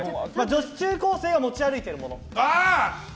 女子中高生が持ち歩いているもの。